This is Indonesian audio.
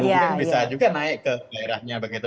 kemudian bisa juga naik ke daerahnya begitu